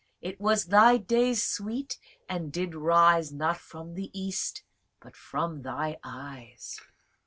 It was thy day, Sweet, and did rise, Not from the east, but from thy eyes. Thyrsis.